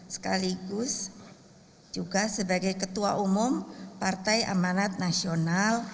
sekaligus juga sebagai ketua umum partai amanat nasional